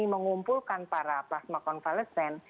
mengumpulkan para plasma konvalesen